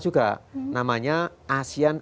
juga namanya asean